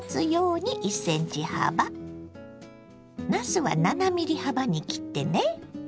なすは７ｍｍ幅に切ってね。